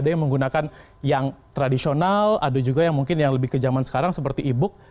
ada yang menggunakan yang tradisional ada juga yang mungkin yang lebih ke zaman sekarang seperti e book